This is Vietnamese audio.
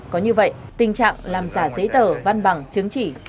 có như vậy tình trạng làm giả giấy tờ văn bằng chứng chỉ mới bị loại bỏ